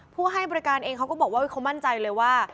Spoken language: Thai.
ผู้ให้บริการเองเขาก็บอกว่าเขามั่นใจเลยว่า